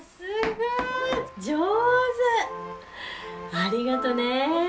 ありがとね。